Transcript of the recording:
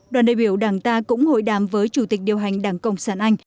đoàn đại biểu đảng ta cũng hội đàm với chủ tịch điều hành đảng cộng sản anh